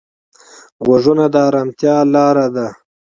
غوږونه د ارامتیا لاره ده